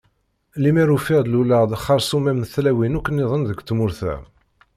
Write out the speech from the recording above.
Limer ufiɣ luleɣ-d xersum am tlawin akk niḍen deg tmurt-a.